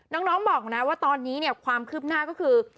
น้องบอกนะว่าตอนนี้เนี่ยความคืบหน้าก็คือ